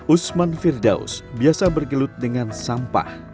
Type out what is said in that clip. usman firdaus biasa bergelut dengan sampah